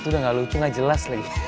itu udah gak lucu gak jelas lagi